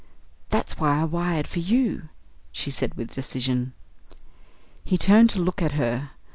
"That's why I wired for you," she said with decision. He turned to look at her.